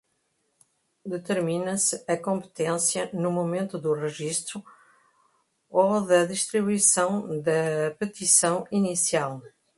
Determina-se a competência no momento do registro ou da distribuição da petição inicial